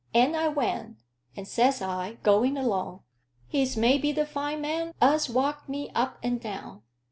And I went; and says I, going along, he's maybe the fine man as walked me up and down.